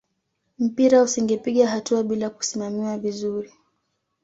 mpira usingepiga hatua bila kusimamiwa vizuri